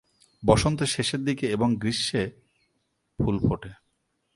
বসন্তের শেষের দিকে এবং গ্রীষ্মে ফুল ফোটে।